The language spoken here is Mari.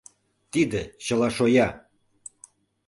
Тиде чыла шоя!